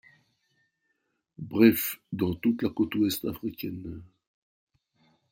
Bref, dans toute la côte ouest africaine.